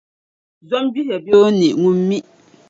Zom’ gbihiya bee o ne ŋuna m-mi?